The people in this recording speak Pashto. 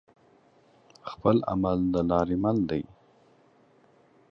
خپل عمل د لارې مل دى.